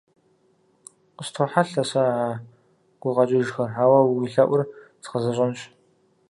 Къыстохьэлъэ сэ а гукъэкӀыжхэр, ауэ уи лъэӀур згъэзэщӀэнщ.